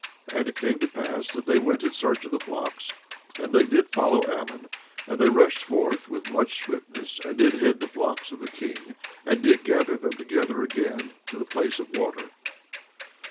17:32 And it came to pass that they went in search of the flocks, and they did follow Ammon, and they rushed forth with much swiftness and did head the flocks of the king, and did gather them together again to the place of water.